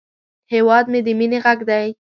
هیواد مې د مینې غږ دی